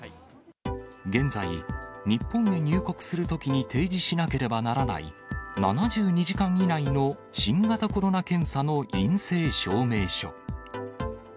現在、日本へ入国するときに提示しなければならない７２時間以内の新型コロナ検査の陰性証明書。